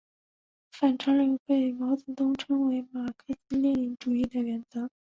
反潮流被毛泽东称为马克思列宁主义的原则。